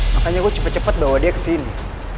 makanya gue cepat cepat bawa dia ke sini